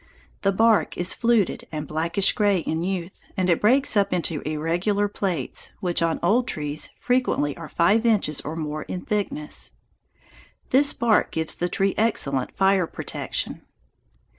The bark is fluted and blackish gray in youth, and it breaks up into irregular plates, which on old trees frequently are five inches or more in thickness. This bark gives the tree excellent fire protection.